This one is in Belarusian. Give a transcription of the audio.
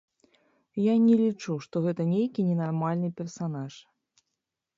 Я не лічу, што гэта нейкі ненармальны персанаж.